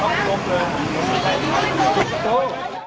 ผมทำงานไม่เชือกชืวกถอย